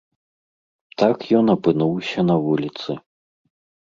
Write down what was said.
Так ён апынуўся на вуліцы.